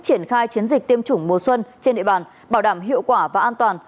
triển khai chiến dịch tiêm chủng mùa xuân trên địa bàn bảo đảm hiệu quả và an toàn